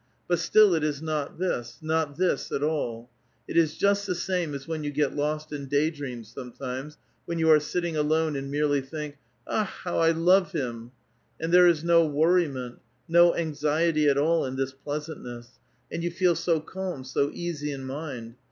But still it is not this, not this »t all. It is just the same as wheu you get lost iu day dreams sometimes, when you are sitting alone, and merely think, *'Akh ! how 1 love him !' and there is no worriment, no anx iety at all, in this pleasantness ; and you feel so calm, so easy in mind